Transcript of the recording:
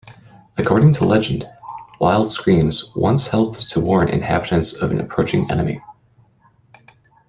According to legend, wild screams once helped to warn inhabitants of an approaching enemy.